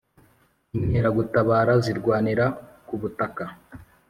Inkeragutabara zirwanira ku butaka